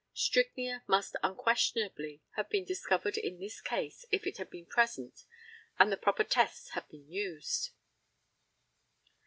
Strychnia must unquestionably have been discovered in this case if it had been present and the proper tests had been used.